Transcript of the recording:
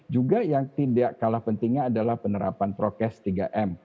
juga yang tidak kalah pentingnya adalah penerapan prokes tiga m